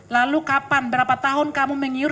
lalu kapan berapa tahun kamu menyiur